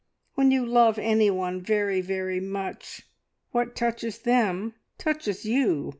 When you love anyone very, very much, what touches them touches you.